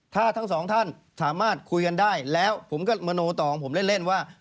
ถ้าทั้งสองท่านสามารถคุยกันได้แล้วผมก็มโนต่อของผมเล่นว่า